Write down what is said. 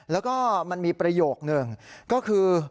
แล้วก็มันมีประโยคนึงก็คือ